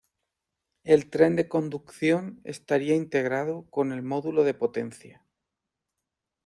El tren de conducción estaría integrado con el módulo de potencia.